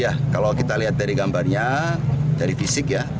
ya kalau kita lihat dari gambarnya dari fisik ya